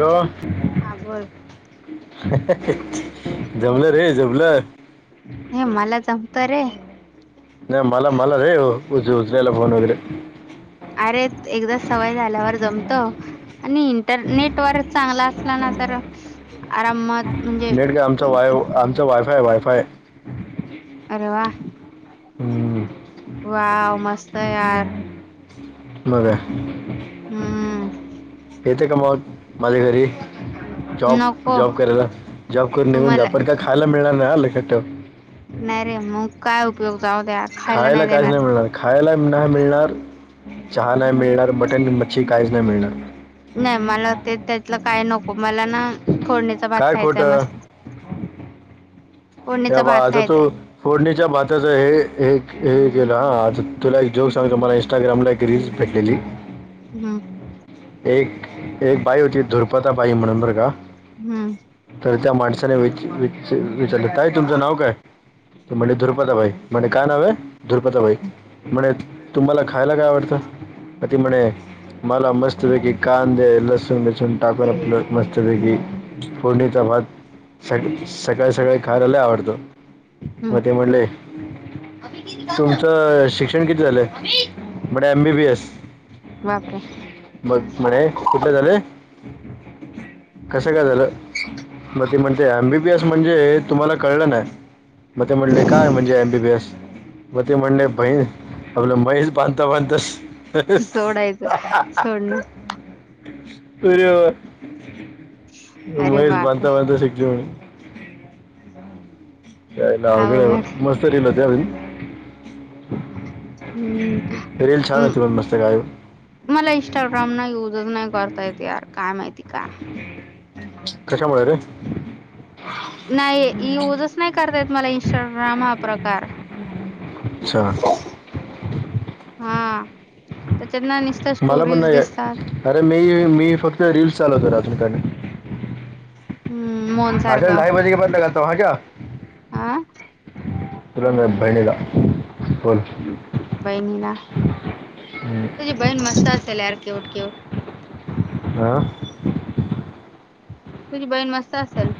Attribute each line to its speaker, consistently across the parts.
Speaker 1: Hello
Speaker 2: हा बोल
Speaker 1: जमलं रे जमलं
Speaker 2: हे मला जमत रे
Speaker 1: नाही मला मला रे उच उचलायला फोन वगैरे
Speaker 2: अरे एकदा सवय झाल्यावर जमतो आणि इंटरनेट वर चांगला असला ना तर आरामात म्हणजे
Speaker 1: नेट का आमचा वाय आमचा वायफाय वायफाय
Speaker 2: आरे वा
Speaker 1: हम्म
Speaker 2: वाव मस्त आहे यार
Speaker 1: आपल काय
Speaker 2: हम्म
Speaker 1: येते का मग माझ्या घरी जॉब
Speaker 2: नको
Speaker 1: जॉब करायला जॉब करून
Speaker 2: तू
Speaker 1: निऊन जा
Speaker 2: मला
Speaker 1: पण का खायला मिळणार नाही आलं कट
Speaker 2: नाय रे मग काय उपयोग जाऊ द्या
Speaker 1: खायला काहीच
Speaker 2: देणार
Speaker 1: नाही मिळणार खायला नाही मिळणार चहा नाही मिळणार मटन मच्छी काहीच नाही मिळणार
Speaker 2: नाही मला ते त्यातलं काय नको मला ना फोडणीचा भात
Speaker 1: काय
Speaker 2: खायचाय
Speaker 1: खोटं
Speaker 2: मस्त
Speaker 1: या
Speaker 2: फोडणीचा
Speaker 1: बा
Speaker 2: भात
Speaker 1: आता तो
Speaker 2: खायचाय
Speaker 1: फोडणीच्या भाताच हे हे हे गेला हा आता तुला एक जोक सांग मला इंस्टाग्रामला एक रीलस भेटलेली
Speaker 2: हम्म
Speaker 1: एक एक बाई होती दुर्पथा बाई म्हणून बर का
Speaker 2: हम्म
Speaker 1: तर त्या माणसाने विच वाच विचारलं ताई तुमचं नाव काय म्हणजे धु्रपदाबाई म्हणे काय नाव आहे धु्रपदाबाई म्हणे तुम्हाला खायला काय आवडतं तर ती म्हणे मला मस्त मस्त पैकी कांदे लसुण बिसूण टाकूण आपल मस्त पैकी फोडणीचा भात स सकाळी सकाळी खारायला लयी आवडतो
Speaker 2: हम्म
Speaker 1: मग ते म्हणले तुमचं शिक्षण किती झालंय म्हटे एमबीबी एस
Speaker 2: बापरे
Speaker 1: बघ म्हणे कुठ झाले कसं काय झालं मग ते म्हणते एमबीबीएस म्हणजे तुम्हाला कळलं नाय मग ते म्हटले काय म्हणजे एमबीबीएस म ते म्हणले बहीण आपलं म्हैस बांधता बांधता [unintelligible]
Speaker 2: पन [unintelligible] अरे
Speaker 1: म्हैस
Speaker 2: बापरे
Speaker 1: बांधत बांधत
Speaker 2: अवघड
Speaker 1: सुटली [unintelligible] [unintelligible]
Speaker 2: हम्म
Speaker 1: रिल छान होती पण मस्त काय
Speaker 2: मला इंस्टाग्राम ना यूज च नाही करता येत यार काय माहिती का?
Speaker 1: कशामुळे रे
Speaker 2: नाही युजच नाही करता येत मला इंस्टाग्राम हा प्रकार
Speaker 1: छान
Speaker 2: हा. [unintelligible]
Speaker 1: मला पण नाही
Speaker 2: दिसतात
Speaker 1: अरे मी फक्त रिल्स चालवतो अजून काय नाही
Speaker 2: हम्म मोहन
Speaker 1: [unintelligible]
Speaker 2: आ
Speaker 1: तुरंग बहिणीला बोल
Speaker 2: बहिणीला तुझी बहीण मस्त [unintelligible] क्यूट क्यूट
Speaker 1: हं
Speaker 2: तुझी बहीण मस्त असेल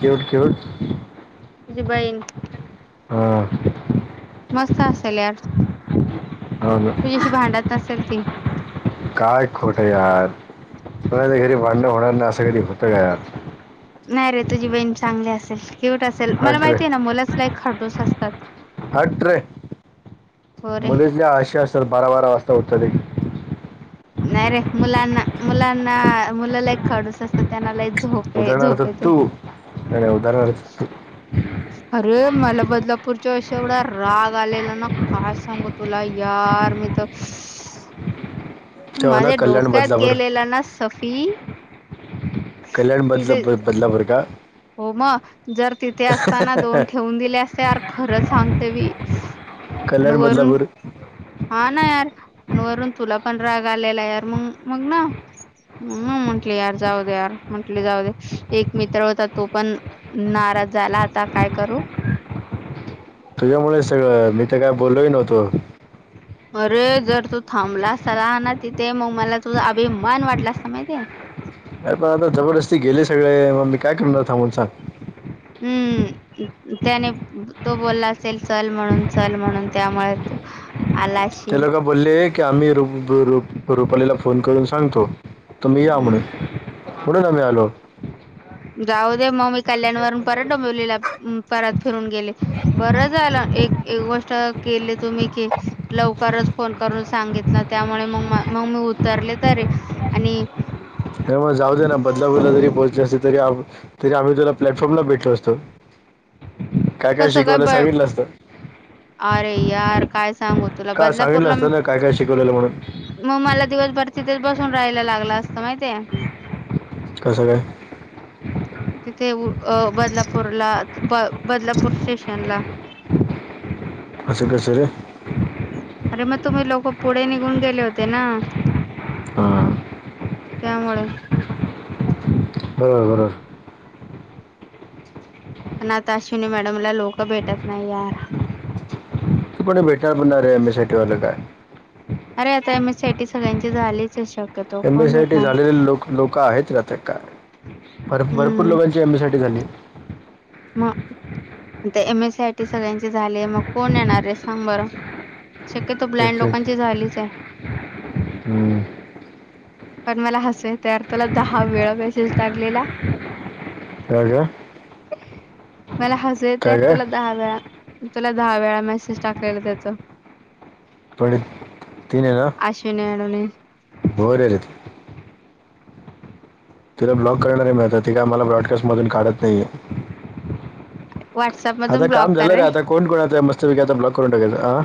Speaker 1: क्यूट क्यूट
Speaker 2: तुझी बहीण
Speaker 1: हा
Speaker 2: मस्त असेल यार
Speaker 1: हो ना
Speaker 2: तुझ्याशी भांडत नसेल ती
Speaker 1: काय खोट यार तु घरी भांडण होणार नाही असं कधी होतं का यार
Speaker 2: नाही रे तुझी बहीण चांगली असेल क्यूट असेल मला
Speaker 1: हट रे
Speaker 2: माहिती आहे ना मूलच लय खडूस असतात
Speaker 1: हट रे
Speaker 2: हो रे
Speaker 1: मुलीतल्या आशा असतात बारा बारा वाजता उठतात एक
Speaker 2: नाही रे मुलांना-मुलांना मुलं लय खडूस असतात त्यांना लय झोपे
Speaker 1: उदाहणार्थ
Speaker 2: झोप येते.
Speaker 1: तू नाही उदाहरणार्थ तू
Speaker 2: अरे मला बदलापूर एवढा राग आलेला ना काय सांगू तुला यार मी तर
Speaker 1: तेव्हा ना
Speaker 2: माझ्या
Speaker 1: कल्याण
Speaker 2: डोक्यात
Speaker 1: बदलापूर
Speaker 2: गेलेला ना सफी
Speaker 1: कल्याण
Speaker 2: तिथे
Speaker 1: बदलापूर - बदलापूर का
Speaker 2: हो मग जर तिथे असताना दोन ठेवून दिले असते यार खरंच सांगते मी आणि
Speaker 1: कल्याण
Speaker 2: वरून
Speaker 1: बदलापूर
Speaker 2: हा ना यार आणि वरून तुला पण राग आलेला यार मग मग ना हं म्हटले यार जाऊ दे यार म्हटले जाऊ दे एक मित्र होतात तो पण नाराज झाला आता काय करू
Speaker 1: तुझ्यामुळे सगळं मी तर काय बोललोही नव्हतो
Speaker 2: अरे जर तू थांबला असताना तिथे मग मला तुझा अभिमान वाटला असता माहितीये
Speaker 1: अर पण आता जबरदस्ती गेले सगळे मग मी काय करणार थांबून सांग
Speaker 2: हम्म त्याने तो बोलला असेल चल म्हणून चल म्हणून त्यामुळे तू आला
Speaker 1: ते
Speaker 2: असशील
Speaker 1: लोकं बोलले की आम्ही रुपालीला फोन करून सांगतो तुम्ही या
Speaker 2: हम्म
Speaker 1: म्हणे म्हणून आम्ही आलो
Speaker 2: जाऊ दे मग मी कल्याणवरून परत डोंबिवली ला परत फिरून गेले बरं झालं एक-एक गोष्ट केले तुम्ही की लवकरच फोन करून सांगितलं त्यामुळे मग मी-मग मी उतरले तरी आणि
Speaker 1: ए मग जाऊ दे ना बदलापूरला जरी पोहोचली असली तरी तरी आम्ही तुला प्लॅटफॉर्मला भेटलो असतो काय काय
Speaker 2: कसं
Speaker 1: शिकवलं
Speaker 2: ब
Speaker 1: सांगितलं असत
Speaker 2: अरे यार काय सांगू तुला
Speaker 1: का सांगितलं
Speaker 2: बदलापूरला म
Speaker 1: असतं ना काय काय शिकवलेलं म्हणून
Speaker 2: मग मला दिवसभर तिथेच बसून राहायला लागलं असतं माहितीये
Speaker 1: कसं काय
Speaker 2: तिथे अं.. बदलापूरला ब-बदलापूर स्टेशन ला [unintelligible]
Speaker 1: असं कसं ग
Speaker 2: खूप पुढे निघून गेले होते ना.
Speaker 1: हा
Speaker 2: त्यामुळे
Speaker 1: बरोबर बरोबर
Speaker 2: पण आता अश्विनी मॅडमला लोक भेटत नाही यार.
Speaker 1: तू कोणी भेटय येणारेयर एम ए साटी वालं काय
Speaker 2: अरे आता एम एस सीआय टी सगळ्यांचे झालेच शब
Speaker 1: M C I T झालेले लोक लोक आहेत रथ काय र भरपूर
Speaker 2: हम्म
Speaker 1: लोकांची एम एसी आय टी झाली
Speaker 2: मग आता एम एसी आय टी सगळ्यांची झालीय मग कोण येणार रे सांग बरं शक्यतो ब्लाइंड
Speaker 1: तेच तेच
Speaker 2: लोकांची झालीच आहे
Speaker 1: हम्म.
Speaker 2: पण मला हसु येतंय तुला दहा वेळा मेसेज टाकलेला.
Speaker 1: कर जा
Speaker 2: मला हसु येतय आहेत तुला दहा वेळा तुला दहा वेळा मेसेज टाकलेला त्याच.
Speaker 1: पढे तीन आहे ना.
Speaker 2: अश्विनी मॅडमने
Speaker 1: हॊ रे तिला ब्लॉक करणार मी आता ति काय आम्हाला ब्लॉकलिस्ट मधून काढत नाहीये
Speaker 2: व्हॉट्सअप
Speaker 1: आता
Speaker 2: मधून
Speaker 1: काम
Speaker 2: ब्लॉक कर
Speaker 1: झालं रे आता कोण कोणचाय मस्त पैकी आता ब्लॉक करून टा कायचं.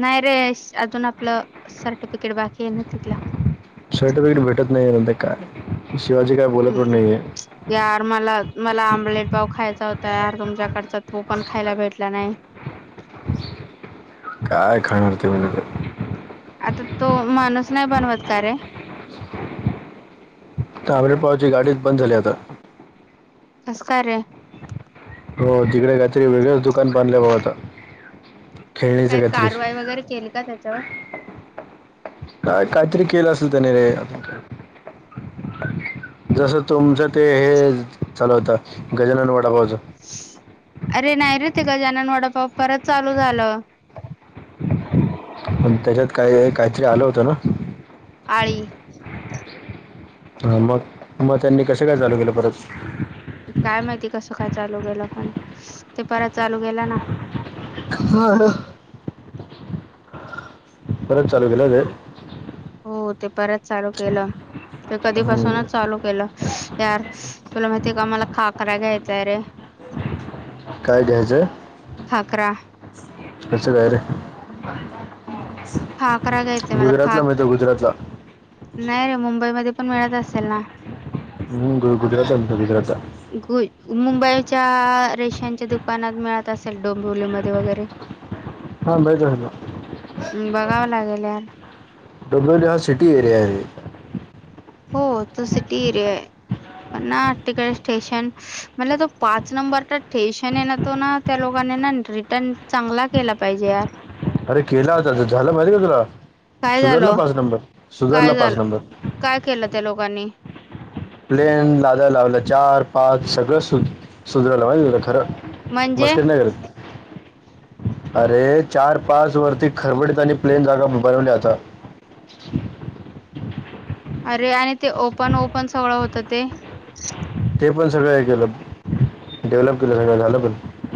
Speaker 2: नाही रे अजून आपलं सर्टि
Speaker 1: स्वेटर विकट भेटत नाही आहे नंत काय शिवाजी काय बोलत पण
Speaker 2: हम्
Speaker 1: नाहीये
Speaker 2: यार मला मला ऑम्लेट पाव खायचा होता यार तुमच्या करतात तो पण खायला भेटला नाही
Speaker 1: काय खाणार ते म तर
Speaker 2: आता तो माणूस नाही बनवत का रे.
Speaker 1: तागडे पावची गाडीच बंद झाली आता.
Speaker 2: असं का रे
Speaker 1: हो तिकडे काहीतरी वेगळच दुकान बांधले बाबा आता खेळणीचं
Speaker 2: काही
Speaker 1: काहीतरी
Speaker 2: कारवाई वगैरे केली का त्याच्यावर.
Speaker 1: काय काहीतरी केलं असेल त्याने रे. जस तुमचं ते हे चाल होतं गजानन वडापा
Speaker 2: अरे नाही रे ते ग जनन वडापाव परत चालू झालं
Speaker 1: पण त्याच्यात काही काहीतरी आलं होतं ना
Speaker 2: आळी
Speaker 1: हा मग मग त्यांनी कस काय चालू केलं परत
Speaker 2: काय माहिती कसं काय चालू गेला पण ते परत चालू गेला ना
Speaker 1: हा परत चालू केलंच.
Speaker 2: हो ते परत चालू केलं. ते कधी
Speaker 1: हम्म.
Speaker 2: फसूनच चालू केलं यार तुला माहितीय का मला खाकरा घ्याय चाय रे
Speaker 1: काय घ्यायचंय
Speaker 2: खाकरा
Speaker 1: असचं काय रे
Speaker 2: खाकरा घ्यायचाय मला
Speaker 1: गुजरातला मिळत
Speaker 2: खाक
Speaker 1: गुजरातला
Speaker 2: नाही रे मुंबईमध्ये पण मिळत असेल ना.
Speaker 1: हम्म, गु- गुजरातला मिळतो गुजरातला
Speaker 2: ग मुंबईच्या रे... ह्याच्या दुकानात मिळत असेल डोंबिवलीमध्ये वगैरे
Speaker 1: हा माहित आहे ना
Speaker 2: हम्म बघावं लागेल यार...
Speaker 1: डुबयलास सिटी एरिया आहे.
Speaker 2: हो तो सिटी एरिया आहे. पण ना तिकडे स्टेशन म्हणलं तो पाच नंबरचा स्टेशन आहे ना तो ना त्या लोकांनी रिटर्न चांगला केला पाहिजे यार.
Speaker 1: अरे केला होता झालं माहिते का तुला...
Speaker 2: काय
Speaker 1: सुधरला
Speaker 2: झालं
Speaker 1: पाच नंबर सुधरला
Speaker 2: काय
Speaker 1: पाच
Speaker 2: झालं
Speaker 1: नंबर...
Speaker 2: काय केलं त्या लोकांनी
Speaker 1: प्लेन लाल्या लावलं चार पाच सगळं सु सुधरला माहिते तुंला खरं
Speaker 2: म्हणजे
Speaker 1: मस्करनगर..
Speaker 2: [unintelligible]
Speaker 1: अरे चार पाच वरती खरबडीत आणि प्लेन जागा बनवल्या आता..
Speaker 2: अरे आणि ते ओपन ओपन सगळं होत ते..
Speaker 1: ते पण सगळं हे केलं डेव्हलप केलं सगळं झालं पण..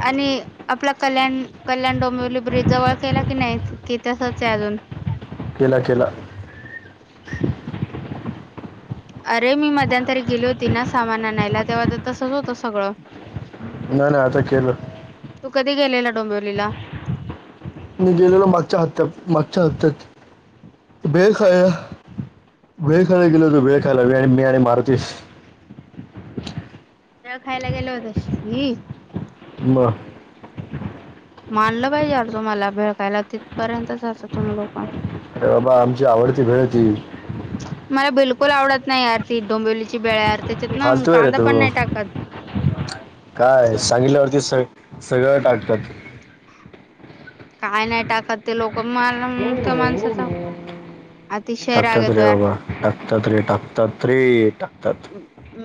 Speaker 2: आणि आपला कल्याण कल्याण डोंबिवली ब्रिज जवळ केल की नाही कि तसच आहे अजून ह..
Speaker 1: केला केला.
Speaker 2: अरे मी मध्यांतरी गेली होती ना सामान आणायला तेव्हा तर तसच होतं सगळं..
Speaker 1: नाही ना आता केलं..
Speaker 2: डोंबवलीला..
Speaker 1: मी गेलेलो मागच्या हप्त्यात मागच्या हप्त्यात बे
Speaker 2: अच्छा
Speaker 1: काय.. भेळ खायला गेलतो भेळ खायला आणि मी आणि मारुतीस..
Speaker 2: भेळ खायला गेलं होती.
Speaker 1: म...
Speaker 2: मानलं पाहिजे यार तुम्हाला भेळ खायला तिथपर्यंत जाता तुम्ही लोक...
Speaker 1: अ बाबा आमची आवडती भेळ ती..
Speaker 2: मला बिलकुल आवडत नाही यारती डोंबवलीची भेळ यार... त्याच्यात ना
Speaker 1: फालतू आहे रे
Speaker 2: कांदा
Speaker 1: तो..
Speaker 2: पण नाही टाकत
Speaker 1: काय सांगितल्यावरती स सगळं टाकतात..
Speaker 2: काय नाही टाकत ते लोक मला म त्या माणसाचा... अतिशय राग
Speaker 1: टाकतात
Speaker 2: येतो
Speaker 1: रे
Speaker 2: यार
Speaker 1: बाबा टाकतात रे टाकतात रे टाकतात...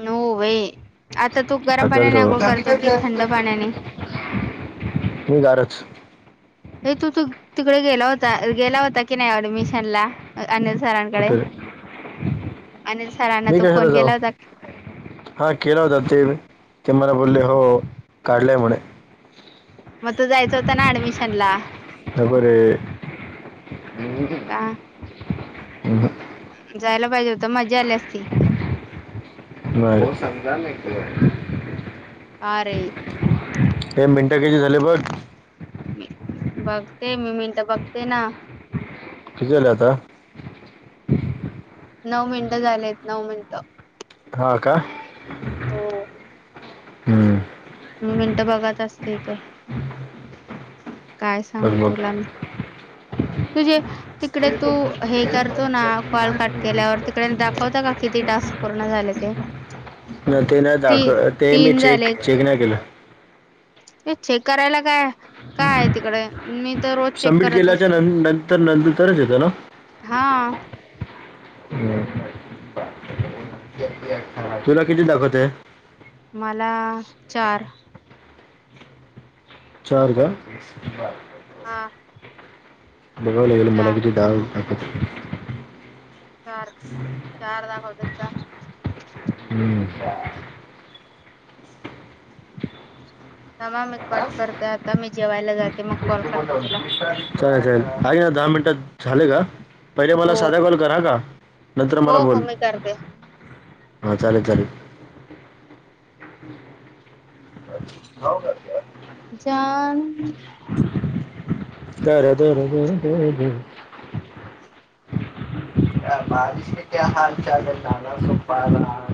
Speaker 2: नो वे आता तू गरम
Speaker 1: टाकतात
Speaker 2: पाण्याने
Speaker 1: रे
Speaker 2: अंघोळ
Speaker 1: बाबा
Speaker 2: करतो कि थंड पाण्याने....
Speaker 1: मी गारच..
Speaker 2: ये तू तू तिकडे गेला होता गेला होता की नाही ऍडमिशन ला अ.. अनिल सरांकडे
Speaker 1: कुठे रे
Speaker 2: अनिल सरांना
Speaker 1: मी
Speaker 2: तो
Speaker 1: कशाला
Speaker 2: फोन
Speaker 1: जाऊ
Speaker 2: केला होता का?
Speaker 1: हा केला होता ते ते मला बोलले हो काढलंय म्हणे..
Speaker 2: मग तू जायच होता ना ऍडमिशन ला...
Speaker 1: त्या बर...
Speaker 2: का जायला पाहिजे होत मज्जा आली असते..
Speaker 1: म सजाेत
Speaker 2: आरे..
Speaker 1: हे मिनटं किती झाले बघ..
Speaker 2: बघते मी मिनट बघते ना...
Speaker 1: किती झालं आता...
Speaker 2: नऊ मिनटं झालेत नऊ मिनिटं...
Speaker 1: हा का...
Speaker 2: हो...
Speaker 1: हम्म...
Speaker 2: मिनटं बघत असते इथे काय
Speaker 1: बघ
Speaker 2: सांगू
Speaker 1: बघ
Speaker 2: तुला मी तुझे तिकडे तू हे करतो ना कॉल कट केल्यावर तिकडे दाखवता का किती टास्क पूर्ण झालं ते
Speaker 1: न ते ना
Speaker 2: तीन
Speaker 1: दाखव ते मी
Speaker 2: तीन
Speaker 1: चेक चेक नाही केलं
Speaker 2: ते चेक करायला काय काय आहे तिकडे मी तर रोज चेक
Speaker 1: सबमिट
Speaker 2: करत
Speaker 1: केल्याच्या
Speaker 2: असते
Speaker 1: नं नंतर नंतरच येतं ना
Speaker 2: हा
Speaker 1: तुला किती दाखवत आहे
Speaker 2: मला चार.
Speaker 1: चार काय?
Speaker 2: हां.
Speaker 1: बघाव लागेल मला की डाळ [unintelligible]
Speaker 2: चार चार दाखवतय चार.
Speaker 1: हम्.
Speaker 2: थांबा मी कट करते आता मी जेवायला जाते मग कॉल
Speaker 1: [unintelligible]
Speaker 2: करते तुला
Speaker 1: मिनटात झाले का? पहिले मला
Speaker 2: हो
Speaker 1: साधा कॉल करा हां का. नंतर
Speaker 2: हो हो मी करते.
Speaker 1: हा चालेल चालेल.
Speaker 2: जान
Speaker 1: दर दर दर द द. [inaudible]